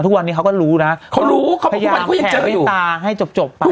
ทุกวันนี้เขาก็รู้น่ะเขารู้พยายามแข็งให้ตาให้จบจบไป